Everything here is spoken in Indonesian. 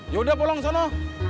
ya udah pulang ke sana